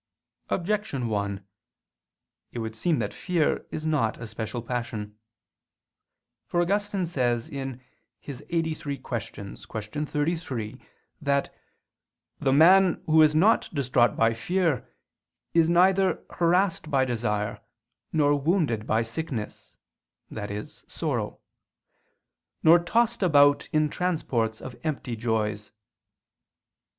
Objection 1: It would seem that fear is not a special passion. For Augustine says (QQ. 83, qu. 33) that "the man who is not distraught by fear, is neither harassed by desire, nor wounded by sickness" i.e. sorrow "nor tossed about in transports of empty joys."